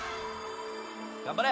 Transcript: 頑張れ！